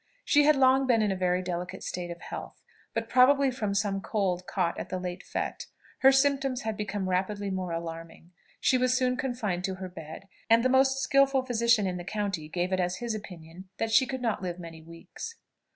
She had long been in a very delicate state of health, but, probably from some cold caught at the late fête, her symptoms had become rapidly more alarming; she was soon confined to her bed, and the most skilful physician in the county gave it as his opinion that she could not live many weeks.